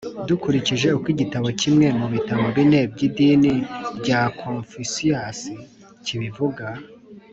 dukurikije uko igitabo kimwe mu bitabo bine by’idini rya confusius kibivug